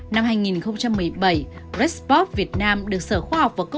năm hai nghìn một mươi bảy red sport việt nam được sở khoa học và công nghiệp